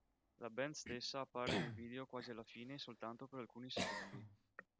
La band stessa appare nel video quasi alla fine e soltanto per alcuni secondi.